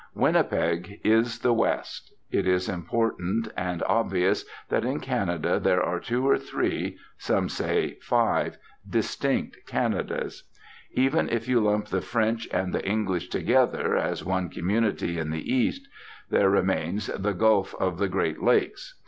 Winnipeg is the West. It is important and obvious that in Canada there are two or three (some say five) distinct Canadas. Even if you lump the French and English together as one community in the East, there remains the gulf of the Great Lakes.